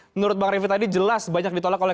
menurut bang refli tadi jelas banyak ditolak oleh